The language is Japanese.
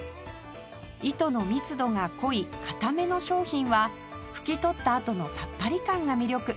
糸の密度が濃い硬めの商品は拭き取ったあとのさっぱり感が魅力